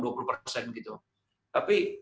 tapi bisnis bisnis ini sudah jelas berarti